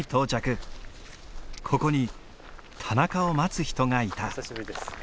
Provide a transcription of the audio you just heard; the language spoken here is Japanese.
ここに田中を待つ人がいた。